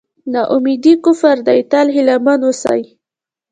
نا اميدي کفر دی تل هیله مند اوسئ.